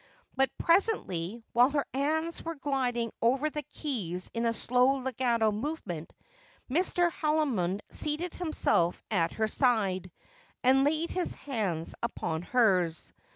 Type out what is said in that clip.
But presently, while her hands were gliding over the keys in a slow legato movement, Mr. Haldimond seated himself at her side, and laid his hand upon hers.